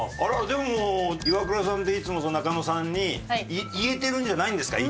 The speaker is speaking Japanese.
でもイワクラさんっていつも中野さんに言えてるんじゃないんですか？